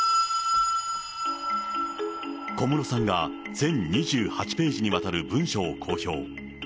小室さんが全２８ページにわたる文書を公表。